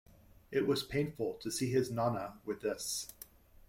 It was painful to see his Nonna with this.